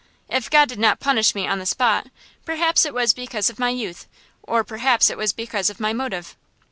If God did not punish me on the spot, perhaps it was because of my youth or perhaps it was because of my motive.